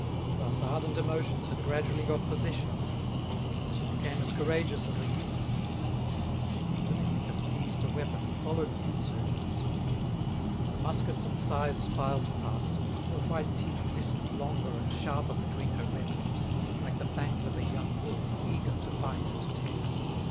Thus ardent emotions had gradually got possession of her, and she became as courageous as a youth. She would willingly have seized a weapon and followed the insurgents. As the muskets and scythes filed past, her white teeth glistened longer and sharper between her red lips, like the fangs of a young wolf eager to bite and tear.